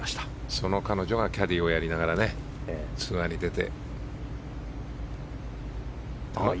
その彼女がキャディーをやりながらツアーに出て。